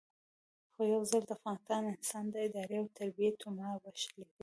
خو یو ځل د افغان انسان د ادارې او تربیې تومار وشلېد.